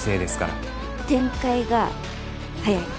展開が早い。